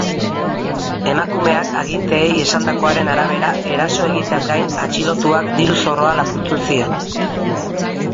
Emakumeak agenteei esandakoaren arabera, eraso egiteaz gain, atxilotuak diru-zorroa lapurtu zion.